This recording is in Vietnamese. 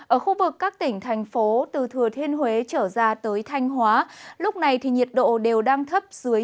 ở khu vực các tỉnh thành phố từ thừa thiên huế trở ra tới thanh hóa lúc này thì nhiệt độ đều đang thấp dưới một mươi bảy độ